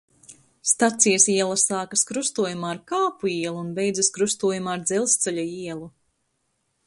Stacijas iela sākas krustojumā ar Kāpu ielu un beidzas krustojumā ar Dzelzceļa ielu.